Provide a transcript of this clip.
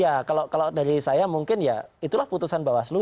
ya kalau dari saya mungkin ya itulah putusan bawaslu